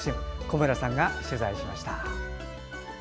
小村さんが取材しました。